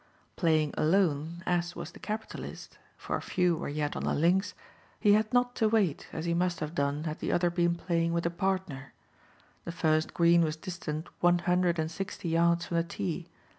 Playing alone as was the capitalist for few were yet on the links he had not to wait as he must have done had the other been playing with a partner. The first green was distant one hundred and sixty yards from the tee.